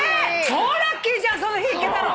超ラッキーじゃんその日行けたの！